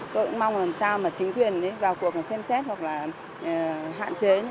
tôi cũng mong làm sao mà chính quyền vào cuộc xem xét hoặc là hạn chế